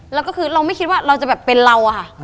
แล้วก็คือเราไม่คิดว่าเราจะแบบเป็นเราอะค่ะ